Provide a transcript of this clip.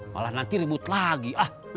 malah nanti ribut lagi